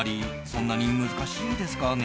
そんなに難しいですかね。